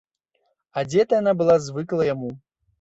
Адзета яна была звыкла яму.